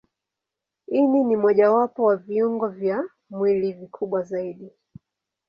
Ini ni mojawapo wa viungo vya mwili vikubwa zaidi.